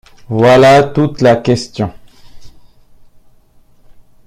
Voilà toute la question.